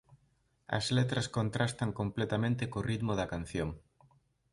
As letras contrastan completamente co ritmo da canción.